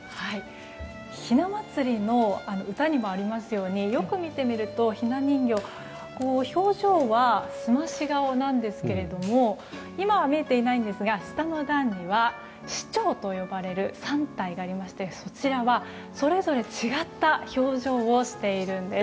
ひな祭りの歌にもありますようによく見てみると、ひな人形は表情はすまし顔なんですけれども今は見えていないんですが下の段には仕丁といわれる３体がありましてそちらは、それぞれ違った表情をしているんです。